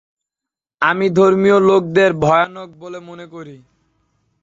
আমি ধর্মীয় লোকেদের ভয়ানক বলে মনে করি।